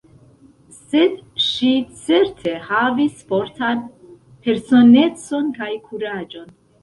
Sed ŝi certe havis fortan personecon kaj kuraĝon.